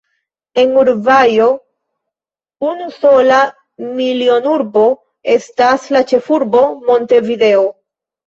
En Urugvajo unusola milionurbo estas la ĉefurbo Montevideo.